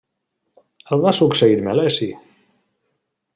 El va succeir Meleci.